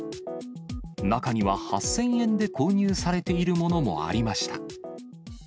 中には、８０００円で購入されているものもありました。